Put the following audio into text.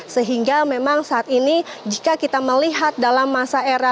sehingga memang saat ini jika kita melihat dalam masa era